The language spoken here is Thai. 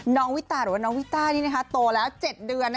น้องวิตาหรือหนามวิตานี่โตแล้วเจ็ดเดือน